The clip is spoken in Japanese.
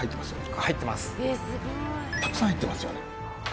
たくさん入ってますよね